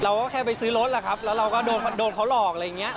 เราก็แค่ไปซื้อรถแหละครับแล้วเราก็โดนเขาหลอกอะไรอย่างนี้